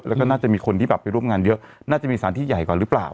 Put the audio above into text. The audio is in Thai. แล้วก็น่าจะมีคนที่แบบไปร่วมงานเยอะน่าจะมีสารที่ใหญ่กว่าหรือเปล่า